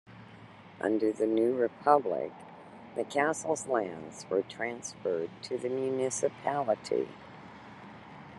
Under the new Republic, the castle's lands were transferred to the municipality.